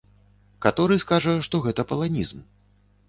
Каторы скажа, што гэта паланізм.